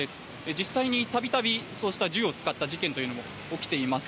実際にたびたびそうした銃を使った事件というのも起きています。